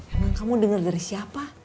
emang kamu dengar dari siapa